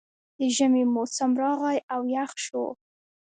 د ژمي موسم راغی او یخ شو